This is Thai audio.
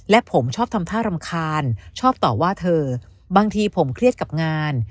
และผมชอบทำท่ารำคาญชอบต่อว่าเธอบางทีผมเครียดกับงาน